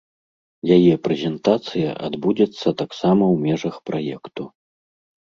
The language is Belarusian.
Яе прэзентацыя адбудзецца таксама ў межах праекту.